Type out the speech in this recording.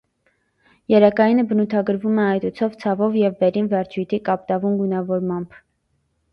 Երակայինը բնութագրվում է այտուցով, ցավով, և վերին վերջույթի կապտավուն գունավորմամբ։